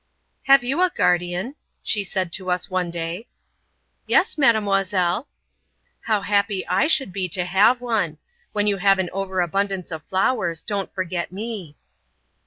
"Have you a garden?" she said to us one day. "Yes, Mademoiselle." "How happy I should be to have one. When you have an over abundance of flowers don't forget me."